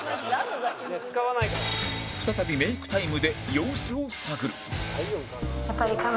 再びメイクタイムで様子を探る